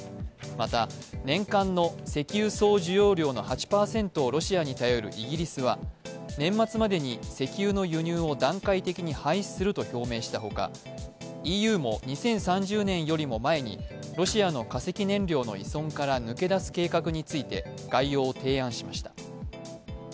また、年間の石油総需要量の８％をロシアに頼るイギリスは年末までに石油の輸入を段階的に廃止すると表明したほかＥＵも２０３０年よりも前にロシアの化石燃料の依存から抜け出す計画について概要を提案しました。